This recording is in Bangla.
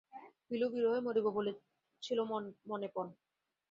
পিলু বিরহে মরিব বলে ছিল মনে পণ।